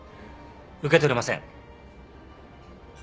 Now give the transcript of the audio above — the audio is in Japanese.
受け取れません。